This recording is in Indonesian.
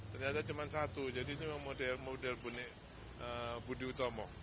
ternyata cuma satu jadi ini memang model model budi utomo